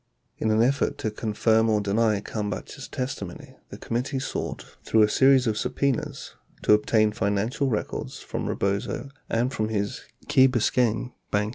40 In an effort to confirm or deny Kalmbach 's testimony, the committee sought, through a series of subpenas, to Obtain financial records from Rebozo and from his Key Biscayne Bank & Trust Co.